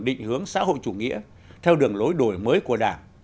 định hướng xã hội chủ nghĩa theo đường lối đổi mới của đảng